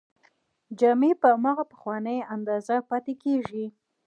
جامې په هماغه پخوانۍ اندازه پاتې کیږي.